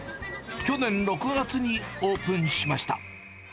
去年６月にオープンしました。